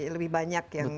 lebih banyak yang